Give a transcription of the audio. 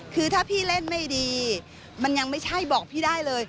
คือถ้าพี่เล่นไม่ดีมันยังไม่ใช่บอกพี่ได้เลย